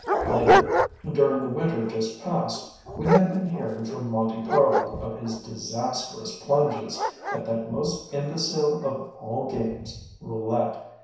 Later, during the winter just past, we had been hearing from Monte Carlo of his disastrous plunges at that most imbecile of all games, roulette.